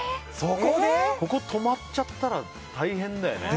ここ止まっちゃったら大変だよね。